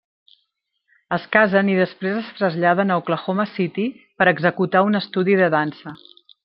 Es casen i després es traslladen a Oklahoma City per executar un estudi de dansa.